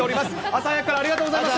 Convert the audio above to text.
朝早くからありがとうございます。